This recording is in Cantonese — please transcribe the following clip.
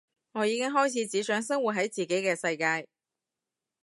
我已經開始只想生活喺自己嘅世界